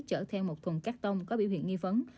chở theo một thùng cát tông có biểu hiện nghi phấn